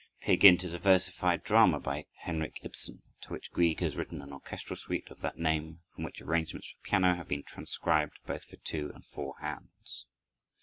"Peer Gynt" is a versified drama by Henrik Ibsen, to which Grieg has written an orchestral suite of that name, from which arrangements for piano have been transcribed, both for two and four hands.